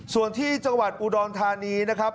ส่วนที่จังหวัดอุดรธานีนะครับ